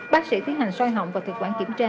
bác sĩ tiến hành xoay họng vào thực quản kiểm tra